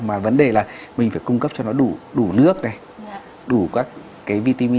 mà vấn đề là mình phải cung cấp cho nó đủ nước này đủ các cái vitamin